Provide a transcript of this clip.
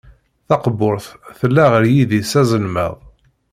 Taqburt tella ɣer yidis azelmaḍ.